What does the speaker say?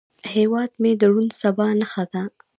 هیواد مې د روڼ سبا نښه ده